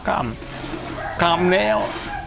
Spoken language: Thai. คำคำแล้ว